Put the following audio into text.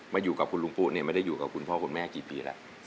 อยู่กับคุณลุงปุ๊เนี่ยไม่ได้อยู่กับคุณพ่อคุณแม่กี่ปีแล้ว